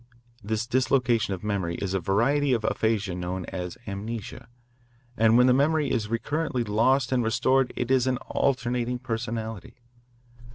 This dislocation of memory is a variety of aphasia known as amnesia, and when the memory is recurrently lost and restored it is an "alternating personality."